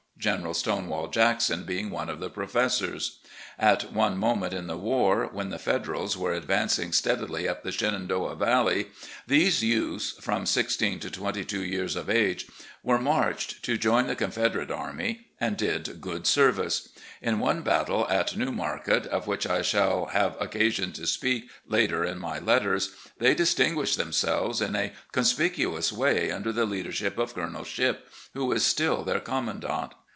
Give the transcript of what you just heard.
General 'Stonewall' Jackson being one of the professors. At one moment in the war, when' the Federals were advancing steadily up the Shenandoah Valley, these youths (from 16 to 22 years of age) were marched to join the Confederate Army, and did good service. In one battle at Newmarket, of which I shall have occasion to speak later in my letters, they distinguished themselves in a conspicuous way under the leadership of Colonel Shipp, who is still their commandant.